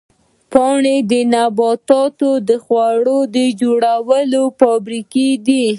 پاڼې د نبات د خوړو جوړولو فابریکې دي